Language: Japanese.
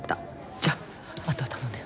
じゃああとは頼んだよ。